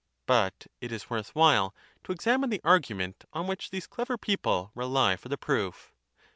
But it is worth while to examine the argument on which these clever people rely for the proof.